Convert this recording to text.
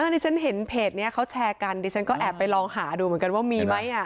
ดิฉันเห็นเพจนี้เขาแชร์กันดิฉันก็แอบไปลองหาดูเหมือนกันว่ามีไหม